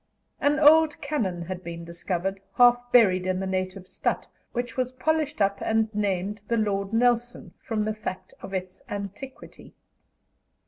An old cannon had been discovered, half buried in the native stadt, which was polished up and named "The Lord Nelson," from the fact of its antiquity.